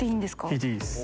引いていいです。